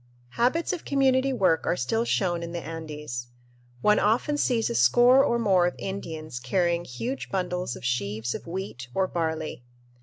Habits of community work are still shown in the Andes. One often sees a score or more of Indians carrying huge bundles of sheaves of wheat or barley.